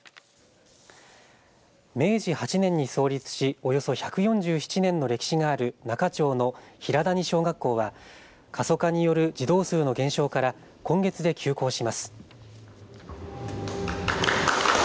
明治８年に創立しおよそ１４７年の歴史がある那賀町の平谷小学校は過疎化による児童数の減少から今月で休校します。